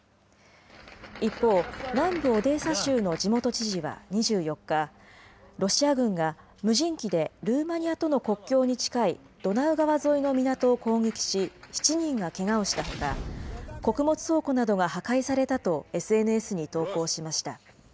一方、南部オデーサ州の地元知事は２４日、ロシア軍が無人機でルーマニアとの国境に近いドナウ川沿いの港を攻撃し、７人がけがをしたほか、穀物倉庫などが破壊されたとＳＮＳに投稿しました。